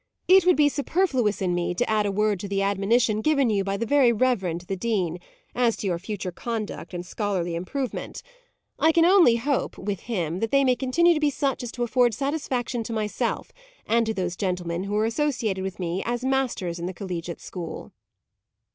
It would be superfluous in me to add a word to the admonition given you by the Very Reverend the Dean, as to your future conduct and scholarly improvement. I can only hope, with him, that they may continue to be such as to afford satisfaction to myself, and to those gentlemen who are associated with me as masters in the collegiate school."